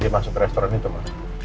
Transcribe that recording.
dia masuk ke restoran itu ma